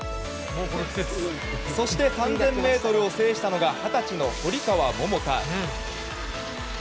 そして３０００ｍを制したのが二十歳の堀川桃香。